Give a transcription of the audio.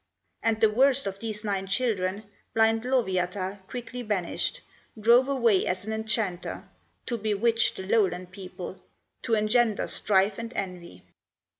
And the worst of these nine children Blind Lowyatar quickly banished, Drove away as an enchanter, To bewitch the lowland people, To engender strife and envy.